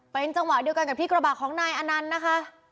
เป็นจังหวะเดียวกันกับที่กระบะของนายอนันต์นะคะ